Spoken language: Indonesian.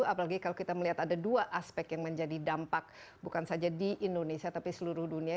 apalagi kalau kita melihat ada dua aspek yang menjadi dampak bukan saja di indonesia tapi seluruh dunia